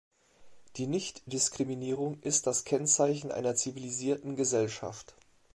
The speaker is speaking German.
Die Nichtdiskriminierung ist das Kennzeichen einer zivilisierten Gesellschaft.